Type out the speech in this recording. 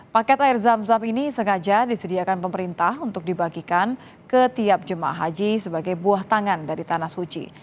paket air zam zam ini sengaja disediakan pemerintah untuk dibagikan ke tiap jemaah haji sebagai buah tangan dari tanah suci